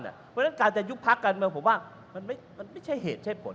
เพราะฉะนั้นการจะยุบพักการเมืองผมว่ามันไม่ใช่เหตุใช้ผล